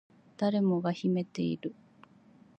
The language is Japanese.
誰もが秘めている